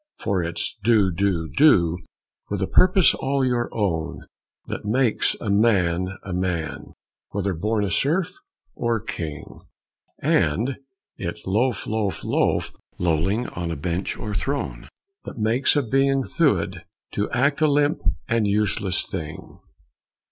For it's do, do, do, with a purpose all your own, That makes a man a man, whether born a serf or king; And it's loaf, loaf, loaf, lolling on a bench or throne That makes a being thewed to act a limp and useless thing!